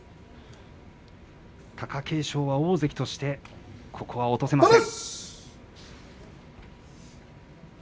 貴景勝は大関としてここは落とせません。